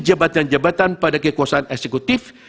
jabatan jabatan pada kekuasaan eksekutif